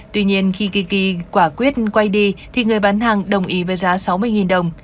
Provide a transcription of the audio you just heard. tuy nhiên khi tiki quả quyết quay đi thì người bán hàng đồng ý với giá sáu mươi đồng